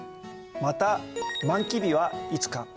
また満期日はいつか。